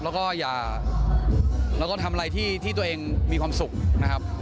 แล้วก็ทำอะไรที่ตัวเองมีความสุขนะครับ